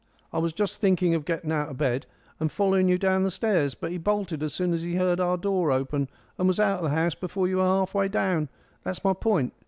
I was just thinking of getting out of bed and following you down the stairs. But he bolted as soon as he heard our door open, and was out of the house before you were half way down. That's my point.